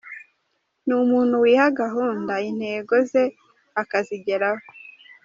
Ni umuntu wiha gahunda, intego ze akazigeraho.